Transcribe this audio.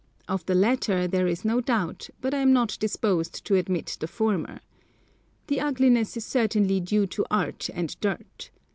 Of the latter there is no doubt, but I am not disposed to admit the former. The ugliness is certainly due to art and dirt.